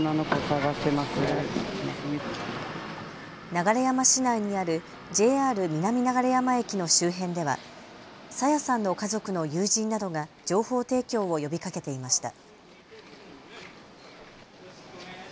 流山市内にあるＪＲ南流山駅の周辺では朝芽さんの家族の友人などが情報提供を呼びかけていました。